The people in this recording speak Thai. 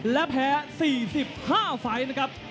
และแพ้๔๕ฝ่ายนะครับ